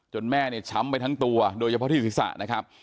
แม่เนี่ยช้ำไปทั้งตัวโดยเฉพาะที่ศีรษะนะครับ